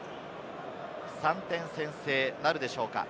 ３点先制なるでしょうか？